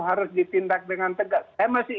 harus ditindak dengan tegas saya masih